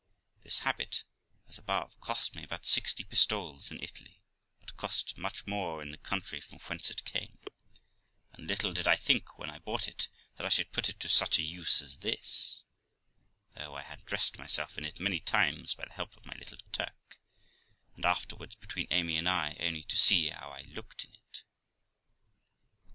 This habit, as above, cost me about sixty pistoles in Italy, but cost much more in the country from whence it came; and little did I think when I bought it, that I should put it to such a use as this, though I had dressed myself in it many times by the help of my little Turk, and after wards between Amy and I, only to see how I looked in it.